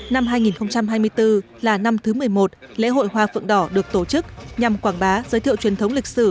năm hai nghìn hai mươi bốn là năm thứ một mươi một lễ hội hoa phượng đỏ được tổ chức nhằm quảng bá giới thiệu truyền thống lịch sử